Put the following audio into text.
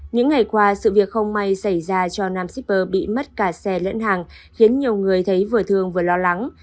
những ngày qua sự việc không may xảy ra cho nam shipper bị mất cả xe lẫn hàng khiến nhiều người thấy vừa thương vừa lo lắng